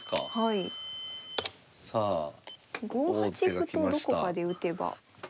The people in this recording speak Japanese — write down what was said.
５八歩とどこかで打てば。